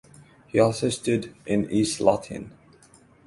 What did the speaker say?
He also stood in East Lothian.